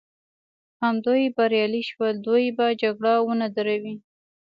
همدوی بریالي شول، دوی به جګړه ونه دروي.